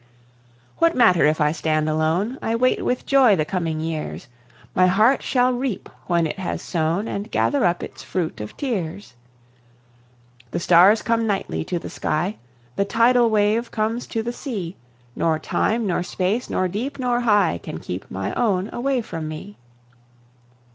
What matter if I stand alone? I wait with joy the coming years; My heart shall reap when it has sown, And gather up its fruit of tears. The stars come nightly to the sky; The tidal wave comes to the sea; Nor time, nor space, nor deep, nor high, Can keep my own away from me.